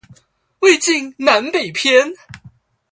魏晉南北篇